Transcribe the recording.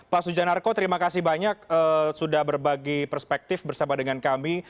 pak sujanarko terima kasih banyak sudah berbagi perspektif bersama dengan kami